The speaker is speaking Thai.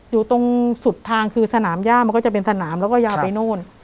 อยู่ตรงสุดทางคือสนามย่ามันก็จะเป็นสนามแล้วก็ยาวไปนู่น